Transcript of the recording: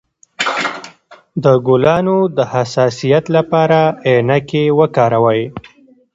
د ګلانو د حساسیت لپاره عینکې وکاروئ